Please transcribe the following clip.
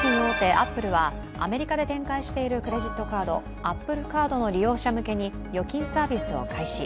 アップルはアメリカで展開しているクレジットカードＡｐｐｌｅＣａｒｄの利用者向けに預金サービスを開始。